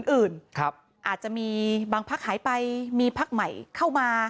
อื่นอาจจะมีบางพักหายไปมีพักใหม่เข้ามา